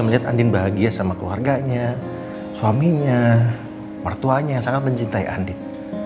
melihat andin bahagia sama keluarganya suaminya mertuanya yang sangat mencintai andin